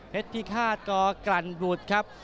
เพชรพิฆาตก็กรรมบุตรครับ